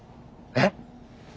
えっ。